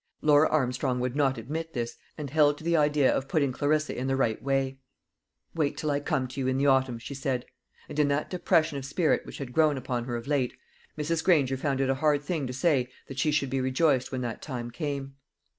Laura Armstrong would not admit this, and held to the idea of putting Clarissa in the right away. "Wait till I come to you in the autumn," she said. And in that depression of spirit which had grown upon her of late, Mrs. Granger found it a hard thing to say that she should be rejoiced when that time came.